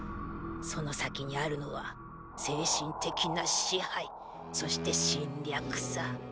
その先にあるのは精神的な支配そして侵略さ。